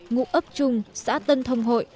ngũ ấp trung xã tân thông hội